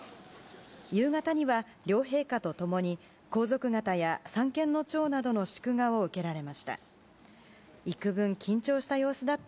夕方には、両陛下と共に皇族方や三権の長などの祝賀を受けられました。